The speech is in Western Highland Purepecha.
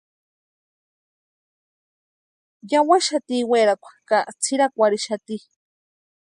Yawaxati werhakwa ka tsʼirakwarhixati.